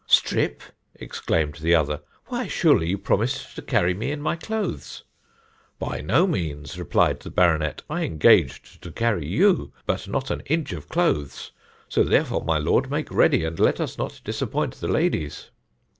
'Strip!' exclaimed the other; 'why surely you promised to carry me in my clothes!' 'By no means,' replied the Baronet; 'I engaged to carry you, but not an inch of clothes. So, therefore, My Lord, make ready, and let us not disappoint the ladies.'